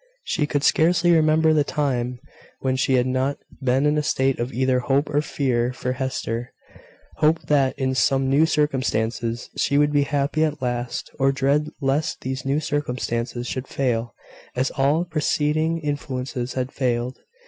She could scarcely remember the time when she had not been in a state of either hope or fear for Hester; hope that, in some new circumstances, she would be happy at last; or dread lest these new circumstances should fail, as all preceding influences had failed.